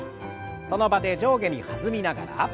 その場で上下に弾みながら。